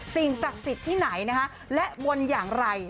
สิ่งศักดิ์สิทธิ์ที่ไหนนะคะและบนอย่างไร